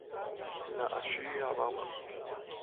哪需要幫忙